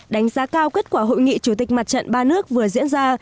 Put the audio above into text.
đánh giá cao kết quả hội nghị chủ tịch mặt trận ba nước vừa diễn ra